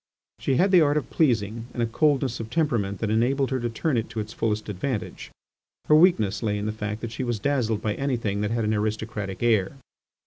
She had the art of pleasing and a coldness of temperament that enabled her to turn it to its fullest advantage. Her weakness lay in the fact that she was dazzled by anything that had an aristocratic air.